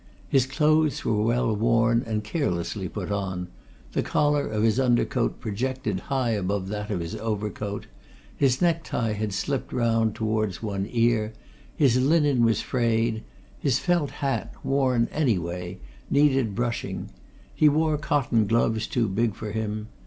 His clothes were well worn and carelessly put on; the collar of his under coat projected high above that of his overcoat; his necktie had slipped round towards one ear; his linen was frayed; his felt hat, worn anyway, needed brushing; he wore cotton gloves, too big for him.